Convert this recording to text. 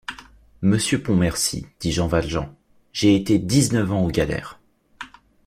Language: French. Monsieur Pontmercy, dit Jean Valjean, j’ai été dix-neuf ans aux galères.